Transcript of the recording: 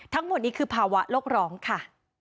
ทั้งหมดนี้คือภาวะโลกร้องค่ะ